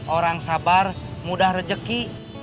orang sabar mudah rezeki